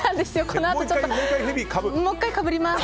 このあともう１回かぶります。